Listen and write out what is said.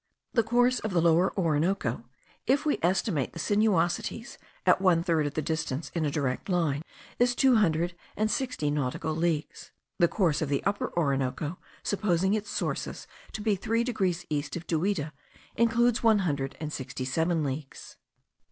The course of the Lower Orinoco, if we estimate the sinuosities at one third of the distance in a direct line, is two hundred and sixty nautical leagues: the course of the Upper Orinoco, supposing its sources to be three degrees east of Duida, includes one hundred and sixty seven leagues.